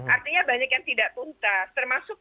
artinya banyak yang tidak tuntas termasuk